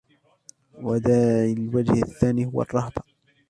وَدَاعِي الْوَجْهِ الثَّانِي هُوَ الرَّهْبَةُ